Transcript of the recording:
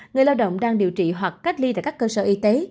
người lao động đang điều trị hoặc cách ly tại các cơ sở y tế